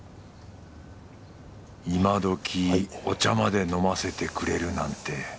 いまどきお茶まで飲ませてくれるなんて。